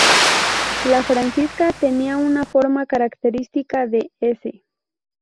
La francisca tenía una forma característica de "S".